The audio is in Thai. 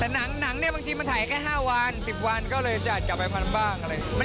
หนังมันถ่ายใน๕๑๐วานเลยก็จะกลับไปพันบ้างเลย